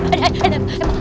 aduh aduh aduh